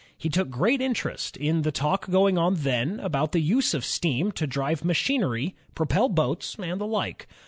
He took great interest in the talk going on then about the use of steam to drive machinery, propel boats, and the like.